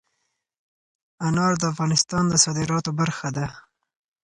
انار د افغانستان د صادراتو برخه ده.